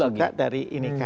dan juga dari ini kak